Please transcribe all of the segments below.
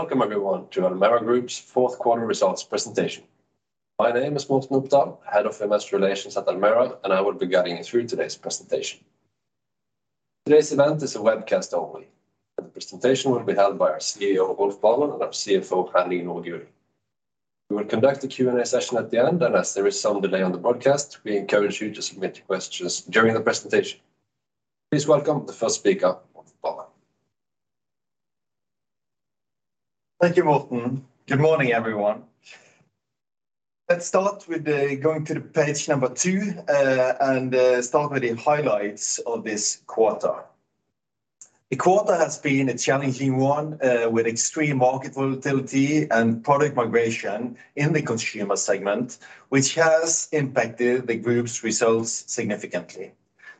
Welcome everyone to Elmera Group's fourth quarter results presentation. My name is Morten A. W. Opdal, Head of Investor Relations at Elmera, and I will be guiding you through today's presentation. Today's event is a webcast only. The presentation will be held by our CEO, Rolf Barmen, and our CFO, Henning Nordgulen. We will conduct a Q&A session at the end. As there is some delay on the broadcast, we encourage you to submit your questions during the presentation. Please welcome the first speaker, Rolf Barmen. Thank you, Morten. Good morning, everyone. Let's start with going to the page number 2, start with the highlights of this quarter. The quarter has been a challenging one, with extreme market volatility and product migration in the consumer segment, which has impacted the group's results significantly.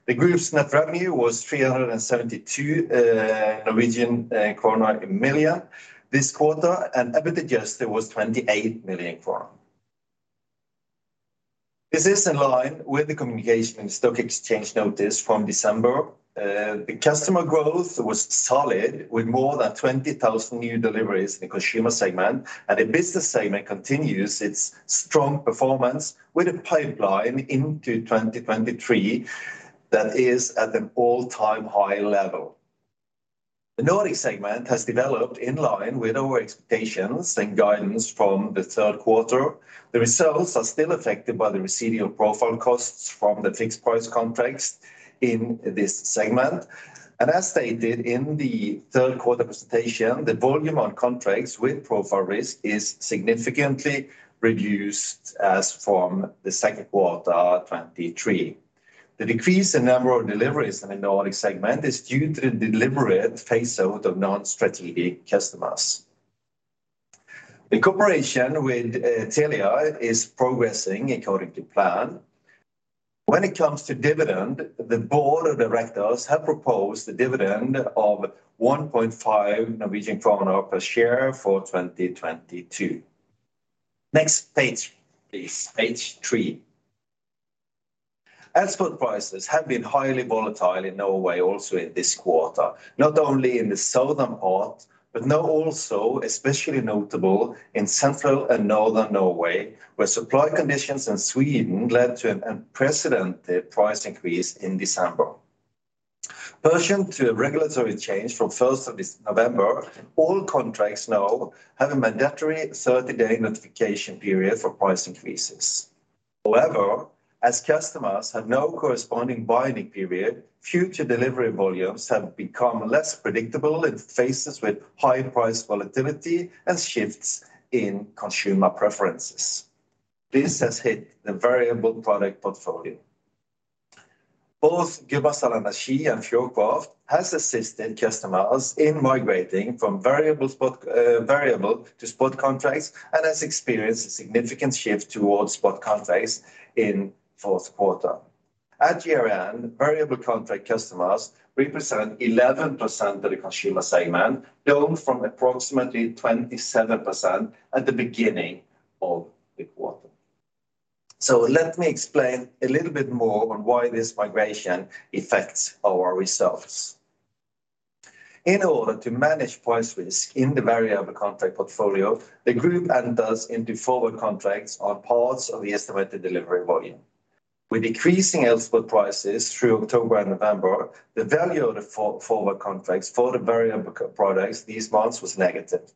The group's net revenue was 372 million Norwegian krone this quarter, and EBITDA adjusted was 28 million krone. This is in line with the communication and stock exchange notice from December. The customer growth was solid with more than 20,000 new deliveries in the consumer segment, and the business segment continues its strong performance with a pipeline into 2023 that is at an all-time high level. The Nordic segment has developed in line with our expectations and guidance from the third quarter. The results are still affected by the residual profile costs from the fixed price contracts in this segment. As stated in Q3 presentation, the volume on contracts with profile risk is significantly reduced as from the Q2 2023. The decrease in number of deliveries in the Nordic segment is due to the deliberate phase out of non-strategic customers. The cooperation with Telia is progressing according to plan. When it comes to dividend, the board of directors have proposed a dividend of 1.5 Norwegian kroner per share for 2022. Next page, please. Page three. Export prices have been highly volatile in Norway also in this quarter, not only in the southern part, now also especially notable in central and northern Norway, where supply conditions in Sweden led to an unprecedented price increase in December. Pursuant to a regulatory change from 1st of November, all contracts now have a mandatory 30-day notification period for price increases. However, as customers have no corresponding binding period, future delivery volumes have become less predictable in faces with high-price volatility and shifts in consumer preferences. This has hit the variable product portfolio. Both Gudbrandsdal Energi and Fjordkraft has assisted customers in migrating from variable to spot contracts and has experienced a significant shift towards spot contracts in Q4. At year-end, variable contract customers represent 11% of the consumer segment, down from approximately 27% at the beginning of the quarter. Let me explain a little bit more on why this migration affects our results. In order to manage price risk in the variable contract portfolio, the group enters into forward contracts on parts of the estimated delivery volume. With decreasing export prices through October and November, the value of the for-forward contracts for the variable products these months was negative.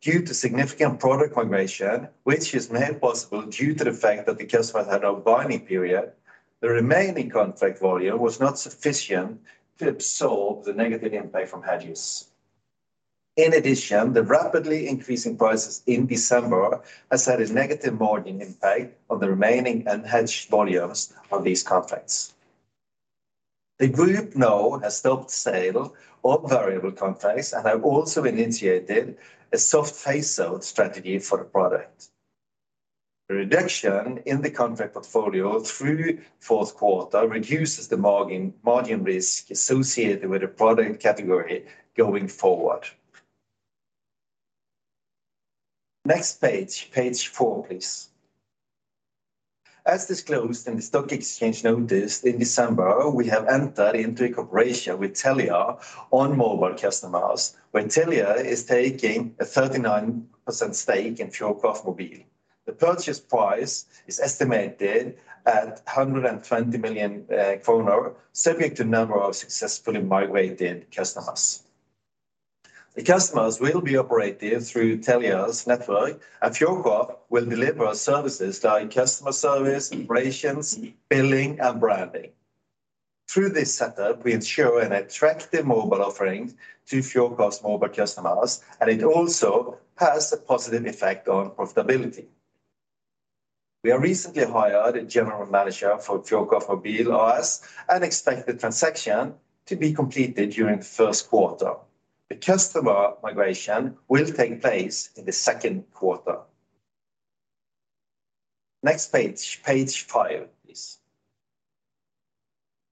Due to significant product migration, which is made possible due to the fact that the customer had no binding period, the remaining contract volume was not sufficient to absorb the negative impact from hedges. In addition, the rapidly increasing prices in December has had a negative margin impact on the remaining unhedged volumes on these contracts. The group now has stopped sale of variable contracts and have also initiated a soft phase-out strategy for the product. The reduction in the contract portfolio through fourth quarter reduces the margin risk associated with the product category going forward. Next page 4, please. As disclosed in the stock exchange notice in December, we have entered into a cooperation with Telia on mobile customers, where Telia is taking a 39% stake in Fjordkraft Mobil. The purchase price is estimated at 120 million kroner, subject to number of successfully migrated customers. The customers will be operated through Telia's network, and Fjordkraft will deliver services like customer service, operations, billing, and branding. Through this setup, we ensure an attractive mobile offering to Fjordkraft's mobile customers, and it also has a positive effect on profitability. We have recently hired a general manager for Fjordkraft Mobil AS and expect the transaction to be completed during the first quarter. The customer migration will take place in the second quarter. Next page 5, please.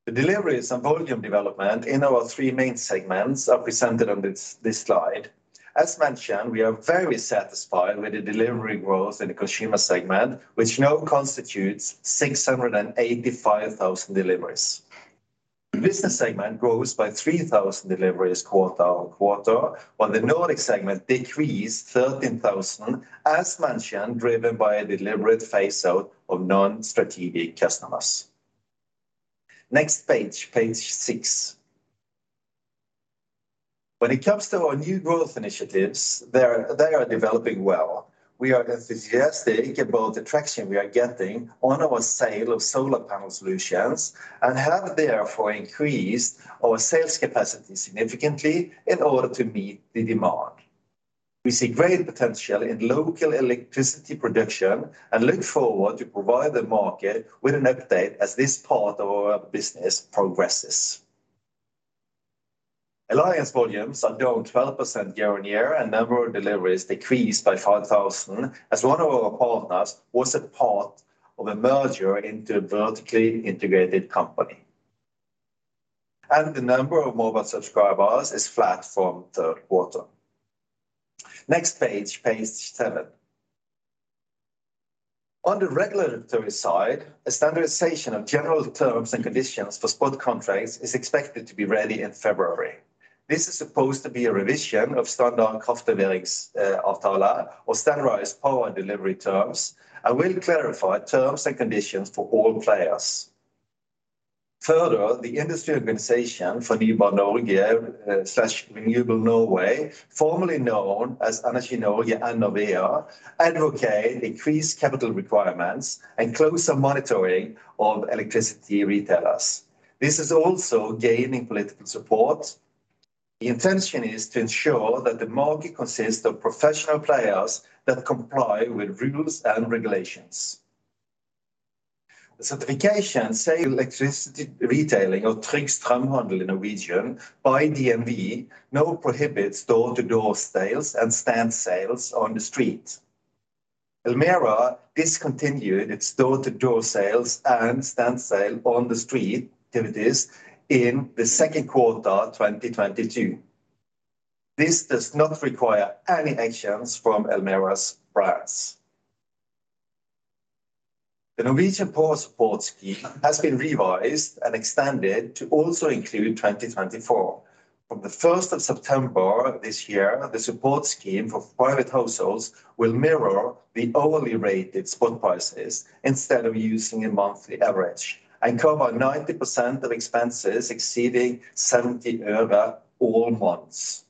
The deliveries and volume development in our three main segments are presented on this slide. As mentioned, we are very satisfied with the delivery growth in the consumer segment, which now constitutes 685,000 deliveries. The business segment grows by 3,000 deliveries quarter-on-quarter, while the Nordic segment decreased 13,000, as mentioned, driven by a deliberate phase out of non-strategic customers. Next page 6. When it comes to our new growth initiatives, they are developing well. We are enthusiastic about the traction we are getting on our sale of solar panel solutions and have therefore increased our sales capacity significantly in order to meet the demand. We see great potential in local electricity production and look forward to provide the market with an update as this part of our business progresses. Alliance volumes are down 12% year-on-year, and network deliveries decreased by 5,000, as one of our partners was a part of a merger into a vertically integrated company. The number of mobile subscribers is flat from 3rd quarter. Next page 7. On the regulatory side, a standardization of general terms and conditions for spot contracts is expected to be ready in February. This is supposed to be a revision of Standard kraftleveringsavtale or standardized power delivery terms and will clarify terms and conditions for all players. Further, the industry organization Fornybar Norge slash Renewables Norway, formerly known as Energimarked Norge and Enova, advocate increased capital requirements and closer monitoring of electricity retailers. This is also gaining political support. The intention is to ensure that the market consists of professional players that comply with rules and regulations. The certification Safe Electricity Retailing or Trygg Strømhandel in Norwegian by DNV now prohibits door-to-door sales and stand sales on the street. Elmera discontinued its door-to-door sales and stand sale on the street activities in the Q2 2022. This does not require any actions from Elmera's brands. The Norwegian poor support scheme has been revised and extended to also include 2024. From the first of September this year, the support scheme for private households will mirror the hourly rate its spot price is instead of using a monthly average and cover 90% of expenses exceeding 70 øre all months.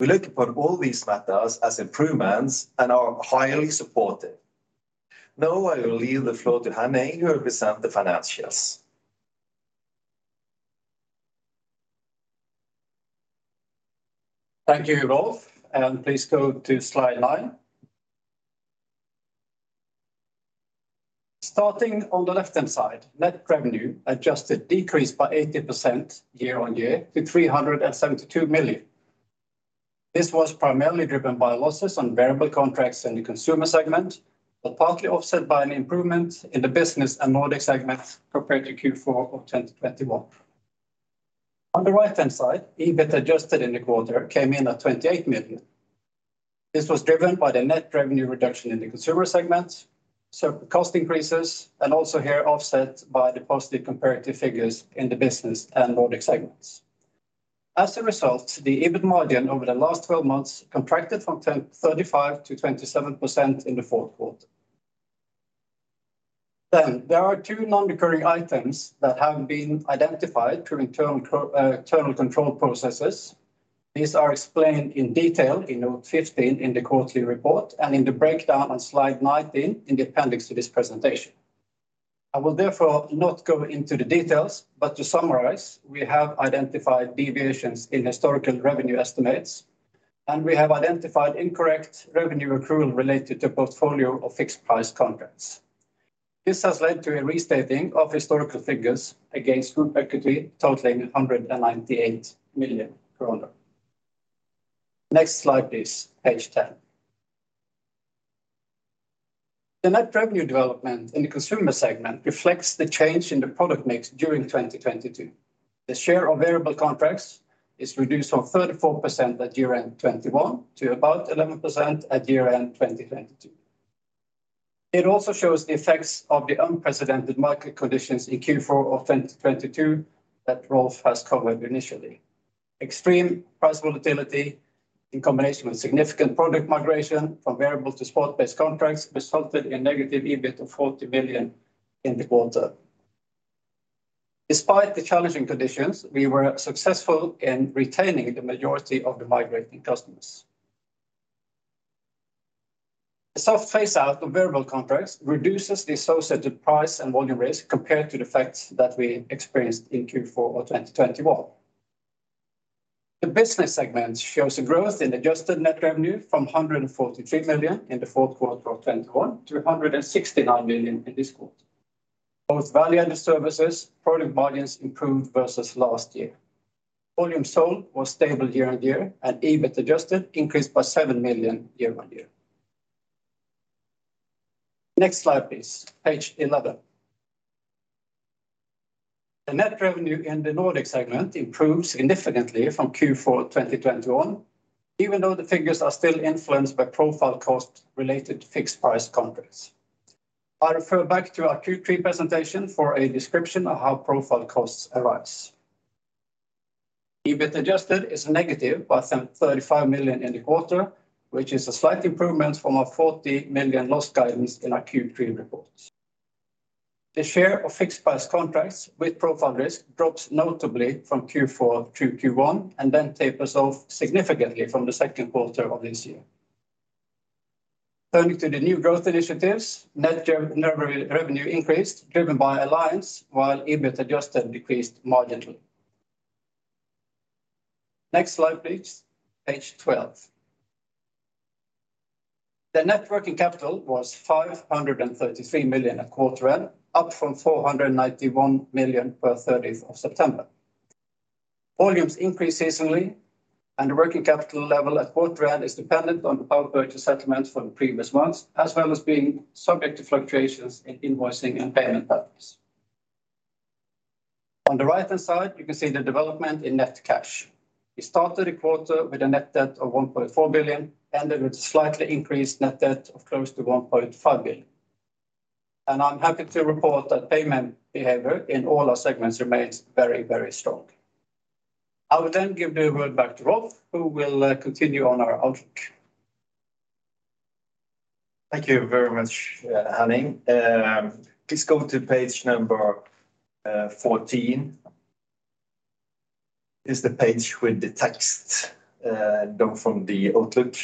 We look upon all these matters as improvements and are highly supportive. I will leave the floor to Henning who will present the financials. Thank you, Rolf. Please go to slide 9. Starting on the left-hand side, net revenue adjusted decreased by 80% year-on-year to 372 million. This was primarily driven by losses on variable contracts in the consumer segment, but partly offset by an improvement in the business and Nordic segments compared to Q4 of 2021. On the right-hand side, EBIT adjusted in the quarter came in at 28 million. This was driven by the net revenue reduction in the consumer segment, so cost increases and also here offset by the positive comparative figures in the business and Nordic segments. As a result, the EBIT margin over the last 12 months contracted from 35% to 27% in the fourth quarter. There are 2 non-recurring items that have been identified through internal control processes. These are explained in detail in note 15 in the quarterly report and in the breakdown on slide 19 in the appendix to this presentation. I will therefore not go into the details, but to summarize, we have identified deviations in historical revenue estimates, and we have identified incorrect revenue accrual related to portfolio of fixed-price contracts. This has led to a restating of historical figures against group equity totaling 198 million kroner. Next slide, please. Page 10. The net revenue development in the consumer segment reflects the change in the product mix during 2022. The share of variable contracts is reduced from 34% at year-end 2021 to about 11% at year-end 2022. It also shows the effects of the unprecedented market conditions in Q4 of 2022 that Rolf has covered initially. Extreme price volatility in combination with significant product migration from variable to spot-based contracts resulted in negative EBIT of 40 million in the quarter. Despite the challenging conditions, we were successful in retaining the majority of the migrating customers. The soft phase out of variable contracts reduces the associated price and volume risk compared to the effects that we experienced in Q4 of 2021. The business segment shows a growth in adjusted net revenue from 143 million in the fourth quarter of 2021 to 169 million in this quarter. Both value and the services product margins improved versus last year. Volume sold was stable year-on-year and EBIT adjusted increased by 7 million year-on-year. Next slide, please. Page 11. The net revenue in the Nordic segment improves indefinitely from Q4 2021, even though the figures are still influenced by profile costs related to fixed price contracts. I refer back to our Q3 presentation for a description of how profile costs arise. EBIT adjusted is negative by some 35 million in the quarter, which is a slight improvement from our 40 million loss guidance in our Q3 report. The share of fixed price contracts with profile risk drops notably from Q4 to Q1, then tapers off significantly from the Q2 of this year. Turning to the new growth initiatives, net revenue increased, driven by alliance, while EBIT adjusted decreased marginally. Next slide, please. Page 12. The net working capital was 533 million at quarter end, up from 491 million per third of September. Volumes increase seasonally, the working capital level at quarter end is dependent on the power purchase settlements for the previous months, as well as being subject to fluctuations in invoicing and payment patterns. On the right-hand side, you can see the development in net cash. We started the quarter with a net debt of 1.4 billion, ended with a slightly increased net debt of close to 1.5 billion. I'm happy to report that payment behavior in all our segments remains very strong. I will give the word back to Rolf, who will continue on our outlook. Thank you very much, Henning. Please go to page number 14. It's the page with the text from the outlook.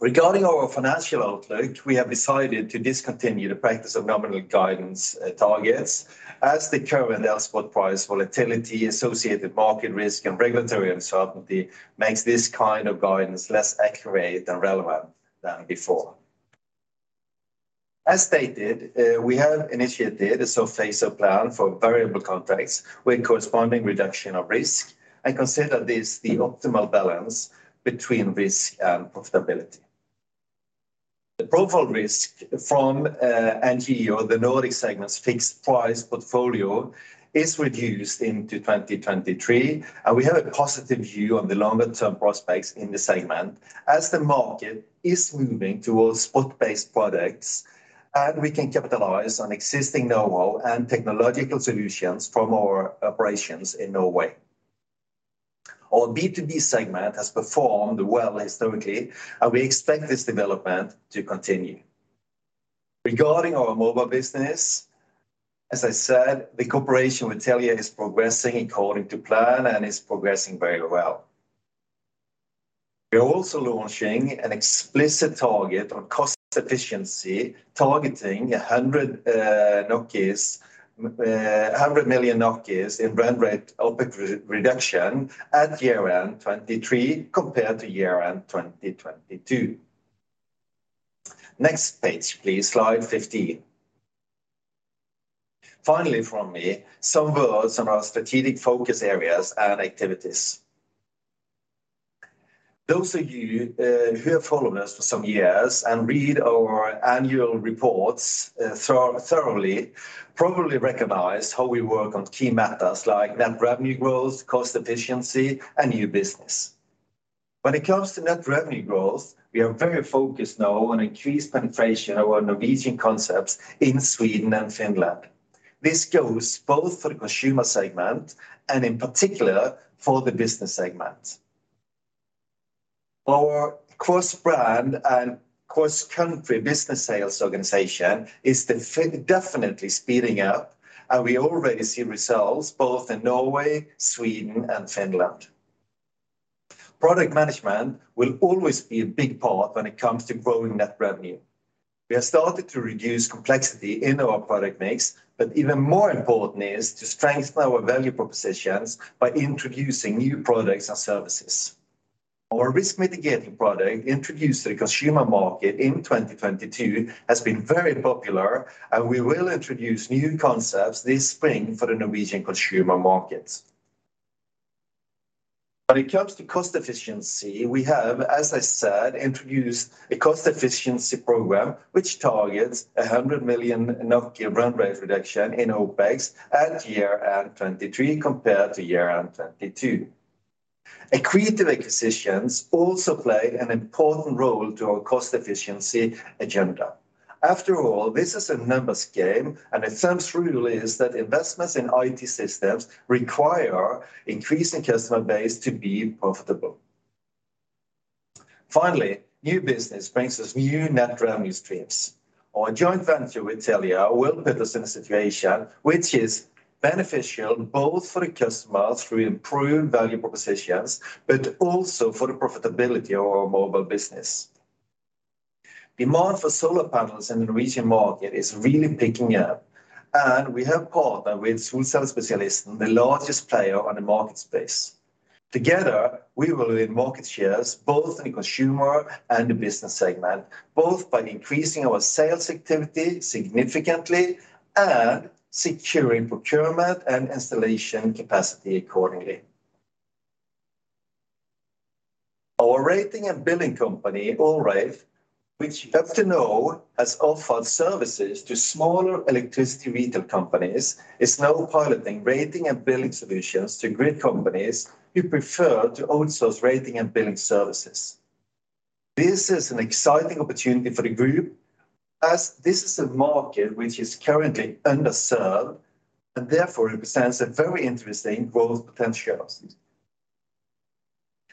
Regarding our financial outlook, we have decided to discontinue the practice of nominal guidance targets as the current L-spot price volatility associated market risk and regulatory uncertainty makes this kind of guidance less accurate and relevant than before. As stated, we have initiated a phased plan for variable contracts with corresponding reduction of risk and consider this the optimal balance between risk and profitability. The profile risk from NGE or the Nordic segment's fixed price portfolio is reduced into 2023, and we have a positive view on the longer-term prospects in the segment as the market is moving towards spot-based products and we can capitalize on existing know-how and technological solutions from our operations in Norway. Our B2B segment has performed well historically, and we expect this development to continue. Regarding our mobile business, as I said, the cooperation with Telia is progressing according to plan and is progressing very well. We are also launching an explicit target on cost efficiency, targeting 100 million in run rate OpEx reduction at year-end 2023 compared to year-end 2022. Next page, please. Slide 15. Finally from me, some words on our strategic focus areas and activities. Those of you who have followed us for some years and read our annual reports thoroughly probably recognize how we work on key matters like net revenue growth, cost efficiency, and new business. When it comes to net revenue growth, we are very focused now on increased penetration of our Norwegian concepts in Sweden and Finland. This goes both for the consumer segment and in particular for the business segment. Our cross-brand and cross-country business sales organization is definitely speeding up, and we already see results both in Norway, Sweden and Finland. Product management will always be a big part when it comes to growing net revenue. We have started to reduce complexity in our product mix, but even more important is to strengthen our value propositions by introducing new products and services. Our risk mitigation product introduced to the consumer market in 2022 has been very popular, and we will introduce new concepts this spring for the Norwegian consumer markets. When it comes to cost efficiency, we have, as I said, introduced a cost efficiency program which targets a 100 million run rate reduction in OpEx at year-end 2023 compared to year-end 2022. Accretive acquisitions also play an important role to our cost efficiency agenda. After all, this is a numbers game, and a thumb rule is that investments in IT systems require increasing customer base to be profitable. Finally, new business brings us new net revenue streams. Our joint venture with Telia will put us in a situation which is beneficial both for the customers through improved value propositions, but also for the profitability of our mobile business. Demand for solar panels in the Norwegian market is really picking up, and we have partnered with Solcellespesialisten, the largest player on the market space. Together, we will win market shares both in the consumer and the business segment, both by increasing our sales activity significantly and securing procurement and installation capacity accordingly. Our rating and billing company, Allrate, which you know has offered services to smaller electricity retail companies, is now piloting rating and billing solutions to grid companies who prefer to outsource rating and billing services. This is an exciting opportunity for the group, as this is a market which is currently underserved, and therefore represents a very interesting growth potential.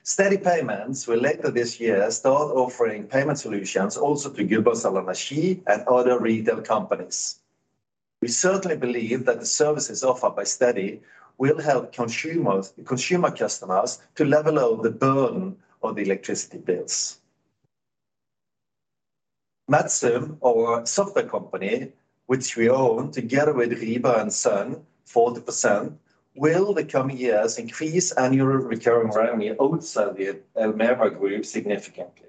Steady Payments will later this year start offering payment solutions also to Gudbrandsdal Energi and other retail companies. We certainly believe that the services offered by Steady will help consumer customers to level out the burden of the electricity bills. Metzum, our software company, which we own together with Rieber & Søn, 40%, will the coming years increase annual recurring revenue outside the Elmera Group significantly.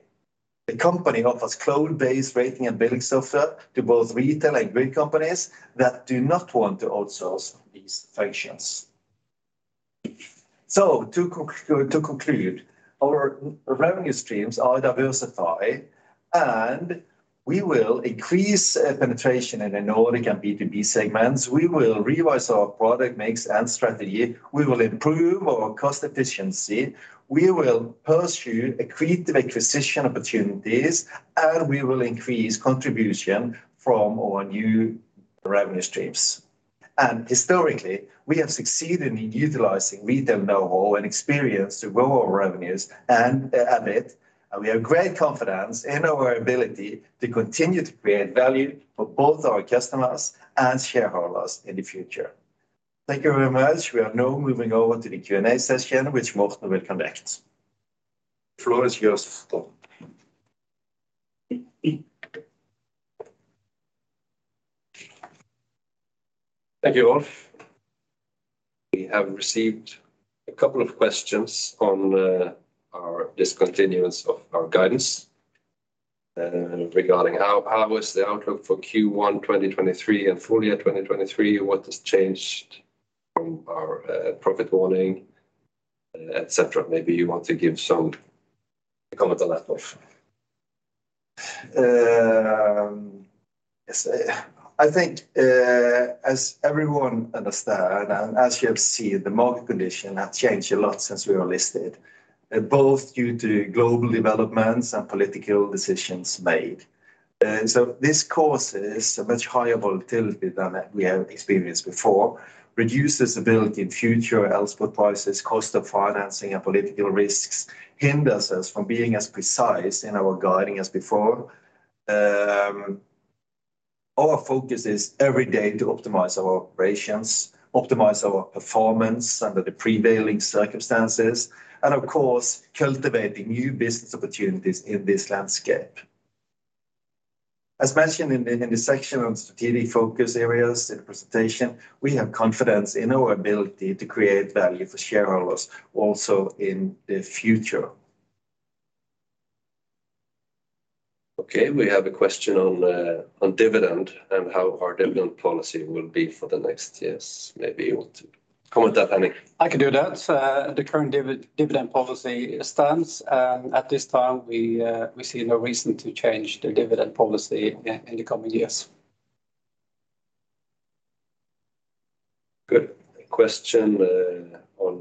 The company offers cloud-based rating and billing software to both retail and grid companies that do not want to outsource these functions. To conclude, our revenue streams are diversified, and we will increase penetration in the Nordic and B2B segments. We will revise our product mix and strategy. We will improve our cost efficiency. We will pursue accretive acquisition opportunities, and we will increase contribution from our new revenue streams. Historically, we have succeeded in utilizing retail know-how and experience to grow our revenues and EBIT, and we have great confidence in our ability to continue to create value for both our customers and shareholders in the future. Thank you very much. We are now moving over to the Q&A session, which Morten will conduct. The floor is yours, Morten. Thank you, Rolf. We have received a couple of questions on our discontinuance of our guidance regarding how was the outlook for Q1 2023 and full year 2023? What has changed from our profit warning, et cetera. Maybe you want to give some comment on that, Rolf. Yes. I think, as everyone understand, as you have seen, the market condition has changed a lot since we were listed, both due to global developments and political decisions made. This causes a much higher volatility than we have experienced before, reduces ability in future elsewhere prices, cost of financing, and political risks, hinders us from being as precise in our guiding as before. Our focus is every day to optimize our operations, optimize our performance under the prevailing circumstances, and of course, cultivating new business opportunities in this landscape. As mentioned in the section on strategic focus areas in the presentation, we have confidence in our ability to create value for shareholders also in the future. Okay, we have a question on dividend and how our dividend policy will be for the next years. Maybe you want to comment that, Henning. I can do that. The current dividend policy stands. At this time, we see no reason to change the dividend policy in the coming years. Good. A question, on,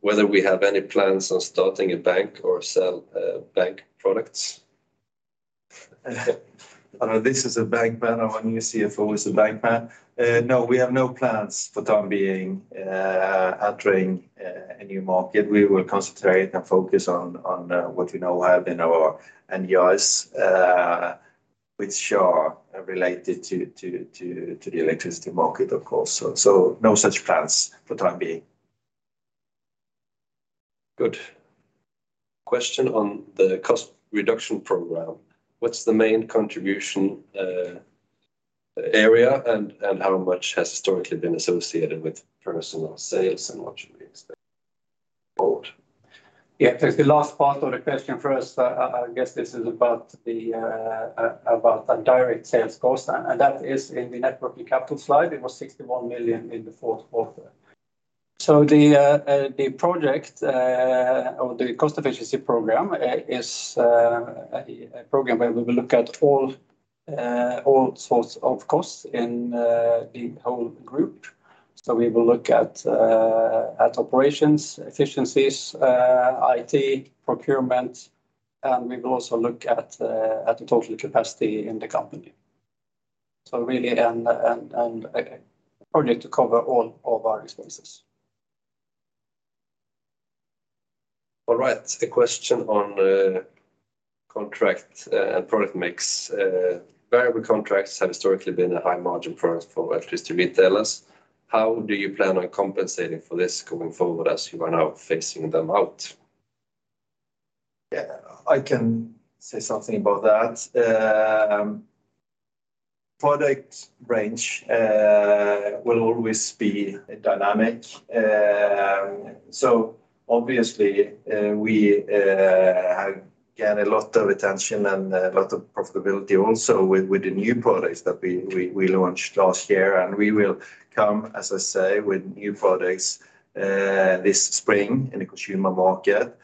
whether we have any plans on starting a bank or sell, bank products. I know this is a bank man. Our new CFO is a bank man. No, we have no plans for time being, entering a new market. We will concentrate and focus on what we now have in our NGE, which are related to the electricity market, of course. No such plans for time being. Good. Question on the cost reduction program. What's the main contribution, area and how much has historically been associated with personnel sales and what should we expect going forward? Yeah. Take the last part of the question first, I guess this is about the, about the direct sales cost, and that is in the net working capital slide. It was 61 million in the fourth quarter. The project or the cost efficiency program is a program where we will look at all sorts of costs in the whole group. We will look at operations, efficiencies, IT, procurement, and we will also look at the total capacity in the company. Really an project to cover all of our expenses. A question on contract product mix. Variable contracts have historically been a high margin product for electricity retailers. How do you plan on compensating for this going forward as you are now phasing them out? Yeah, I can say something about that. Product range will always be a dynamic. Obviously, we gain a lot of attention and a lot of profitability also with the new products that we launched last year, and we will come, as I say, with new products this spring in the consumer market.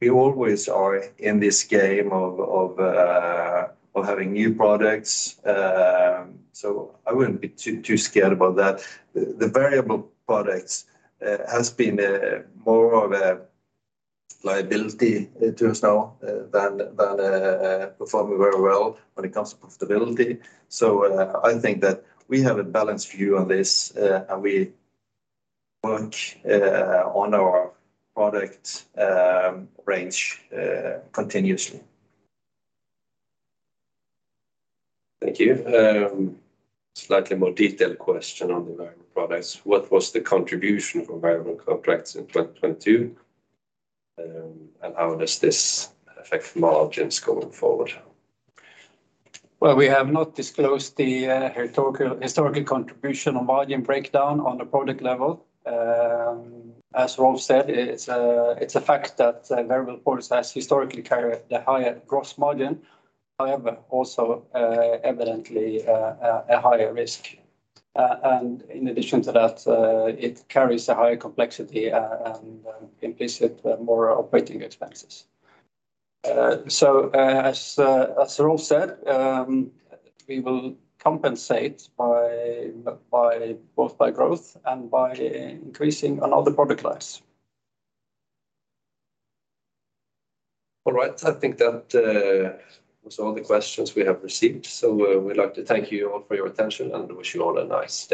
We always are in this game of having new products. I wouldn't be too scared about that. The variable products has been more of a liability to us now than performing very well when it comes to profitability. I think that we have a balanced view on this, and we work on our product range continuously. Thank you. Slightly more detailed question on the variable products. What was the contribution of variable contracts in 2022? How does this affect margins going forward? Well, we have not disclosed the historical contribution on volume breakdown on a product level. As Rolf said, it's a fact that variable products has historically carried a higher gross margin, however, also, evidently, a higher risk. In addition to that, it carries a higher complexity and implicit more operating expenses. As Rolf said, we will compensate by both by growth and by increasing on other product lines. All right. I think that, was all the questions we have received. We'd like to thank you all for your attention and wish you all a nice evening.